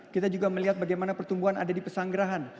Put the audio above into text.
kita juga melihat bagaimana pertumbuhan ada di pesanggerahan